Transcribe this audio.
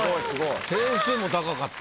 点数も高かった。